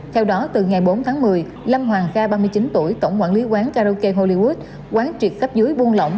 theo đó từ ngày bốn tháng một mươi lâm hoàng kha ba mươi chín tuổi tổng quản lý quán karaoke hollywood quán triệt cấp dưới buôn lỏng